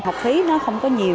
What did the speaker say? học phí nó không có nhiều